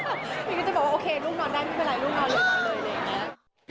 พี่หมีก็จะบอกว่าโอเคลูกนอนได้ไม่เป็นไรลูกนอนเลยเลย